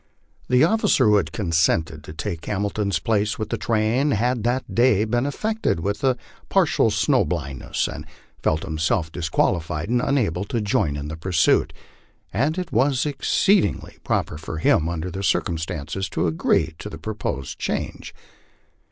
The officer who had consented to take Hamilton's place with the train had that day been af fected with partial snow blindness, and felt himself disqualified and unable to join in the pursuit, and it was exceedingly proper for him under the circum stances to agree to the proposed change.